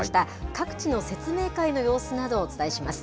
各地の説明会の様子などをお伝えします。